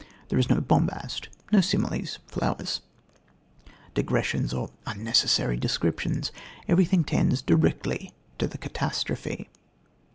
There is no bombast, no similes, flowers, digressions or unnecessary descriptions. Everything tends directly to the catastrophe."